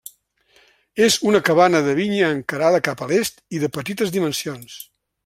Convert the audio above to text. És una cabana de vinya encarada cap a l'est i de petites dimensions.